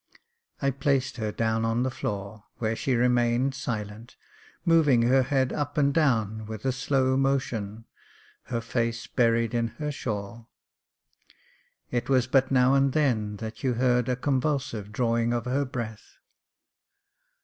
I placed her down on the floor, where she remained silent, moving her head up and down with a slow motion, her face buried in her shawl. It was but now and then that you heard a convulsive drawing of her breath.